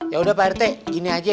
yaudah pak rt gini aja